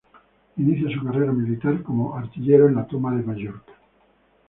Inicia su carrera militar como artillero en la toma de Mallorca.